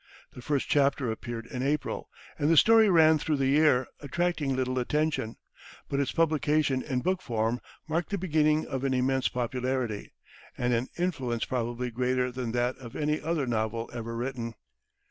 The first chapter appeared in April, and the story ran through the year, attracting little attention. But its publication in book form marked the beginning of an immense popularity and an influence probably greater than that of any other novel ever written.